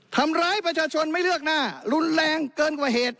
ทำร้ายประชาชนไม่เลือกหน้ารุนแรงเกินกว่าเหตุ